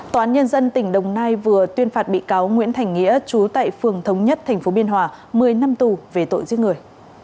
tòa án nhân dân tỉnh đồng nai vừa tuyên phạt bị cáo nguyễn thành nghĩa trú tại phường thống nhất tp biên hòa một mươi năm tù về tội giết người